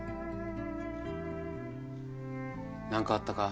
何かあったか？